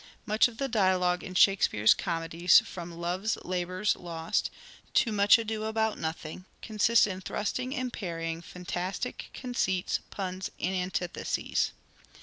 Much of the dialogue in Shakespeare's comedies from ' Love's Labour's Lost ' to ' Much Ado about Nothing ' consists in thrusting and parrying fantastic conceits, puns and antitheses.